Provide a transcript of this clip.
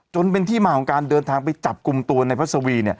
จนเป็นที่มาของการเดินทางไปจับกลุ่มตัวในพัศวี